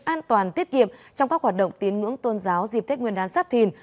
an toàn tiết kiệm trong các hoạt động tiến ngưỡng tôn giáo dịp tết nguyên đán sắp thìn